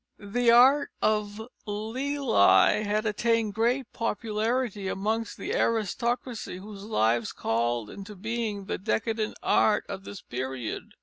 The art of Lely had attained great popularity amongst the aristocracy whose lives called into being the decadent art of this period.